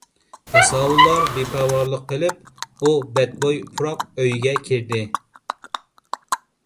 ياساۋۇللار بىپەرۋالىق قىلىپ، ئۇ بەتبۇي پۇراق ئۆيگە كىردى.